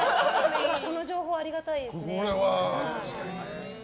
この情報ありがたいですね。